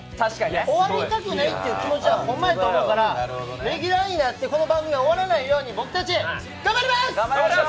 終わりたくないっていう気持ちはほんまやと思うからレギュラーになってこの番組が終わらないように僕たち頑張ります！